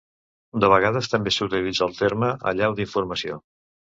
De vegades també s'utilitza el terme "allau d'informació".